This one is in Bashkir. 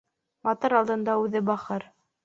Батыр алдында үҙе бахыр.